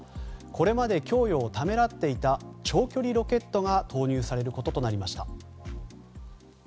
これまで供与をためらっていた長距離ロケットが投入されることとなりました。